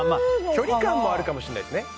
距離感もあるかもしれないですね。